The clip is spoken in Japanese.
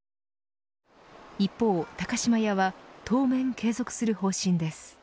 一方、高島屋は当面継続する方針です。